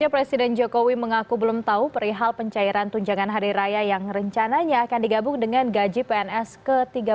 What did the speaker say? presiden jokowi mengaku belum tahu perihal pencairan tunjangan hari raya yang rencananya akan digabung dengan gaji pns ke tiga puluh